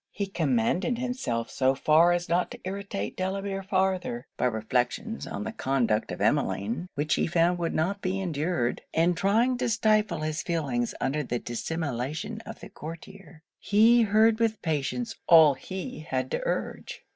He commanded himself so far as not to irritate Delamere farther, by reflections on the conduct of Emmeline, which he found would not be endured; and trying to stifle his feelings under the dissimulation of the courtier, he heard with patience all he had to urge.